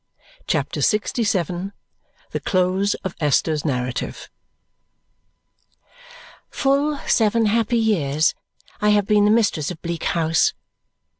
CHAPTER LXVII The Close of Esther's Narrative Full seven happy years I have been the mistress of Bleak House.